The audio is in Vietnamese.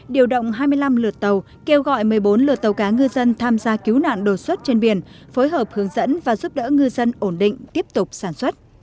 điều động hai mươi năm lượt tàu kêu gọi một mươi bốn lượt tàu cá ngư dân tham gia cứu nạn đột xuất trên biển phối hợp hướng dẫn và giúp đỡ ngư dân ổn định tiếp tục sản xuất